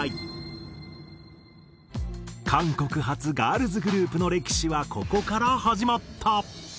韓国発ガールズグループの歴史はここから始まった。